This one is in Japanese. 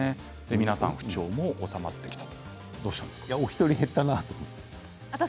皆さん、不調も治まってきたと。